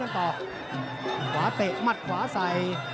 ขวาเตะมัดขวาใส่